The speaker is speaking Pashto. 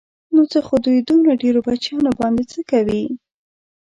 نو څه خو دوی دومره ډېرو بچیانو باندې څه کوي.